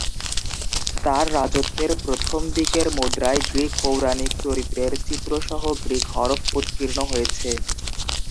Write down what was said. তার রাজত্বের প্রথম দিকের মুদ্রায় গ্রিক পৌরাণিক চরিত্রের চিত্র সহ গ্রিক হরফ উৎকীর্ণ হয়েছে।